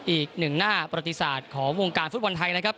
อีกหนึ่งหน้าประติศาสตร์ของวงการฟุตบอลไทยนะครับ